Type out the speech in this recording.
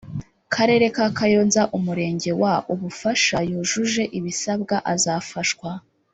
Karere ka kayonza umurenge wa ubufasha yujuje ibasabwa azafashwa